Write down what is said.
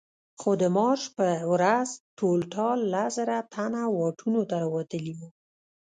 خو د مارش په ورځ ټول ټال لس زره تنه واټونو ته راوتلي وو.